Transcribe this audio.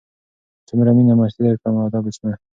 څومره مينه مستي درکړم ادب څومره